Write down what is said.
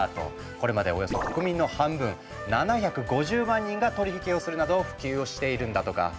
これまでおよそ国民の半分７５０万人が取り引きをするなど普及をしているんだとか。